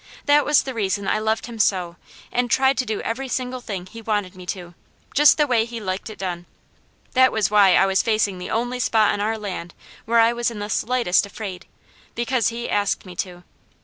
That was the reason I loved him so and tried to do every single thing he wanted me to, just the way he liked it done. That was why I was facing the only spot on our land where I was in the slightest afraid; because he asked me to.